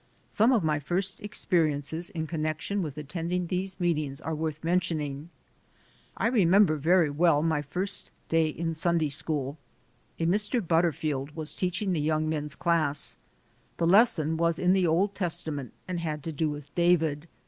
Some of my first experiences in connection with attending these meetings are worth mentioning. I remember very well my first day in Sunday School. A Mr. Butterfield was teaching the young men's class. The lesson was in the Old Testament and had to do with David.